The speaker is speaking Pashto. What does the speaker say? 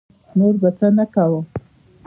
نور به څه نه کووم.